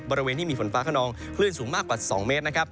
บริเวณที่มีฝนฟ้าขนองคลื่นสูงมากกว่า๒เมตรนะครับ